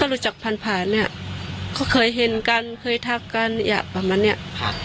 ก็รู้จักพันธุ์พันธุ์เนี่ยเคยเห็นกันเคยทักกันเนี่ยประมาณเนี่ย